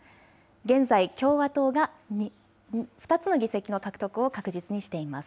現在、共和党が２つの議席の獲得を確実にしています。